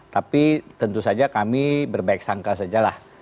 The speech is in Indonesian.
tapi tentu saja kami berbaik sangka sajalah